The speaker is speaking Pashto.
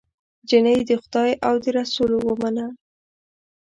جینۍ د خدای او د رسول ومنه